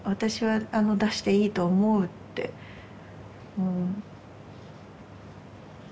うん。